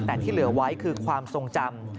แต่ที่เหลือไว้คือความทรงจำ